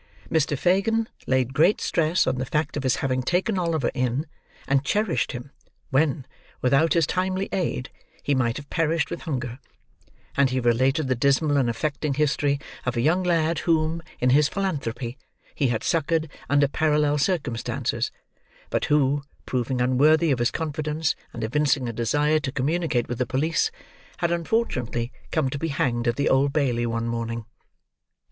Mr. Fagin laid great stress on the fact of his having taken Oliver in, and cherished him, when, without his timely aid, he might have perished with hunger; and he related the dismal and affecting history of a young lad whom, in his philanthropy, he had succoured under parallel circumstances, but who, proving unworthy of his confidence and evincing a desire to communicate with the police, had unfortunately come to be hanged at the Old Bailey one morning.